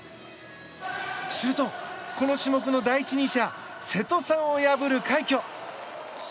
すると、この種目の第一人者瀬戸さんを破る快挙！